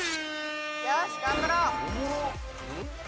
よし頑張ろう！